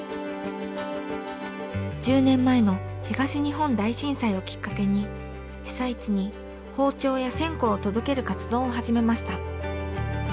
１０年前の東日本大震災をきっかけに被災地に包丁や線香を届ける活動を始めました。